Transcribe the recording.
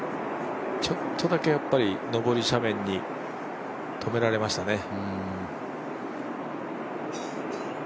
ちょっとだけやっぱり上り斜面に止められましたね。